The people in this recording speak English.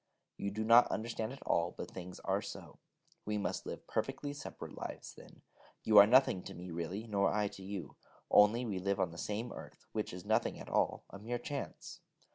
You do not understand at all but things are so. We must live perfectly separate lives, then. You are nothing to me, really, nor I to you, only we live on the same earth, which is nothing at all a mere chance.